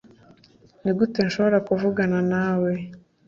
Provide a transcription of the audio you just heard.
Nigute nshobora kuvugana nawe?